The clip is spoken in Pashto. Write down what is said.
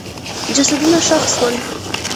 جسدونه ښخ سول.